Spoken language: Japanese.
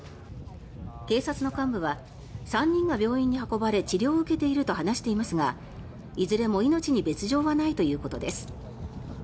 警察の幹部は３人が病院に運ばれ治療を受けていると話していますがいずれも命に別条はないということです。